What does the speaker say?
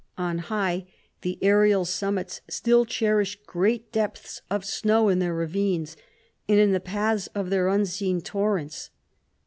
On high, the aerial summits still cherish great depths of snow in their ravines, and in the paths of their unseen torrents.